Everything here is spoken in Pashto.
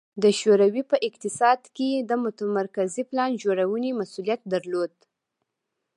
د شوروي په اقتصاد کې د متمرکزې پلان جوړونې مسوولیت درلود